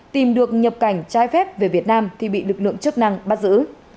tìm được nhập cảnh trái phép về việt nam thì bị lực lượng chức năng bắt giữ